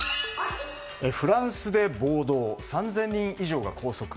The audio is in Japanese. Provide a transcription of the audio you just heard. フランスで暴動３０００人以上が拘束。